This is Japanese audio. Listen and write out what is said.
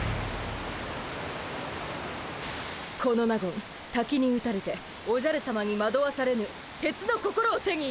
この納言たきに打たれておじゃるさまにまどわされぬ鉄の心を手に入れます。